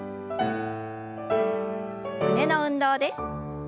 胸の運動です。